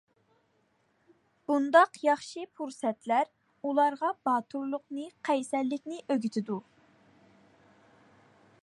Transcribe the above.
بۇنداق ياخشى پۇرسەتلەر، ئۇلارغا باتۇرلۇقنى، قەيسەرلىكنى ئۆگىتىدۇ.